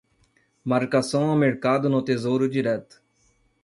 Marcação a mercado no Tesouro Direto